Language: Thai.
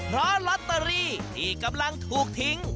เพราะลอตเตอรี่ที่กำลังถูกทิ้ง